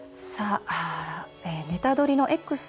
「ネタドリ！」のＸ